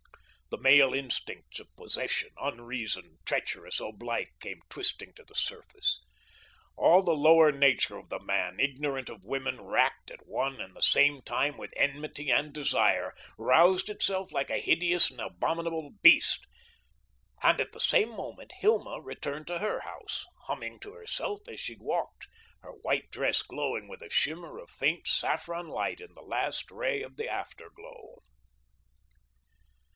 The male instincts of possession, unreasoned, treacherous, oblique, came twisting to the surface. All the lower nature of the man, ignorant of women, racked at one and the same time with enmity and desire, roused itself like a hideous and abominable beast. And at the same moment, Hilma returned to her house, humming to herself as she walked, her white dress glowing with a shimmer of faint saffron light in the last ray of the after glow.